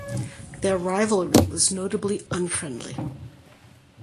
Their rivalry was notably unfriendly.